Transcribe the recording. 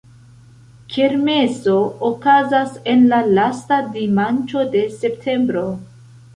Kermeso okazas en la lasta dimanĉo de septembro.